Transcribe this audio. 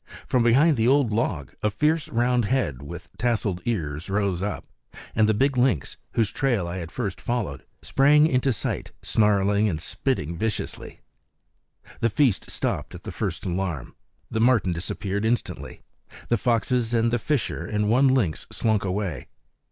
From behind the old log a fierce round head with tasseled ears rose up, and the big lynx, whose trail I had first followed, sprang into sight snarling and spitting viciously. The feast stopped at the first alarm. The marten disappeared instantly. The foxes and the fisher and one lynx slunk away.